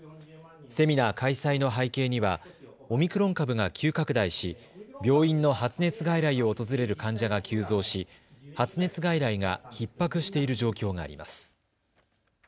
セミナー開催の背景にはオミクロン株が急拡大し病院の発熱外来を訪れる患者が急増し発熱外来がひっ迫している状況があります。